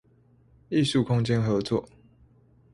藝術空間合作